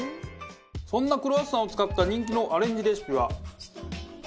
そんなクロワッサンを使った人気のアレンジレシピは。